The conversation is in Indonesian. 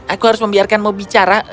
aku harus membiarkanmu bicara